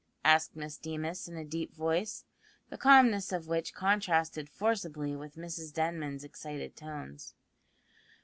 asked Miss Deemas in a deep voice, the calmness of which contrasted forcibly with Mrs Denman's excited tones.